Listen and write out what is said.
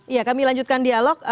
ya kami lanjutkan dialog